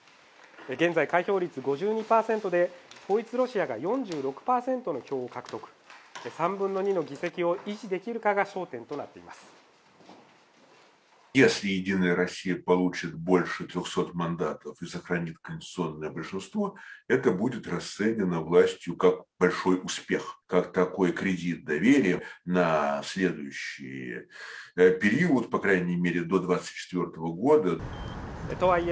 現在開票率５２％で統一ロシアが４６％の票を獲得３分の２の議席を維持できるかが焦点となっていますとはいえ